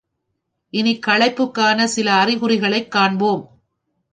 இனி களைப்புக்கான சில அறிகுறிகளைக் காண்போம்.